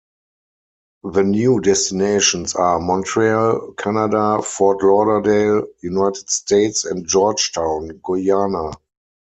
The new destinations are Montreal, Canada; Fort Lauderdale, United States and Georgetown, Guyana.